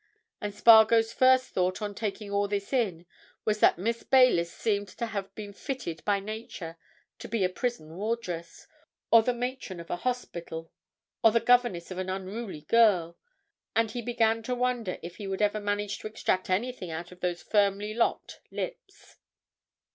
And Spargo's first thought on taking all this in was that Miss Baylis seemed to have been fitted by Nature to be a prison wardress, or the matron of a hospital, or the governess of an unruly girl, and he began to wonder if he would ever manage to extract anything out of those firmly locked lips.